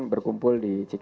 berkumpul di cks